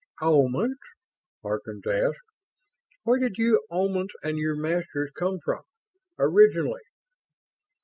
"Omans?" Harkins asked. "Where did you Omans and your masters come from? Originally?"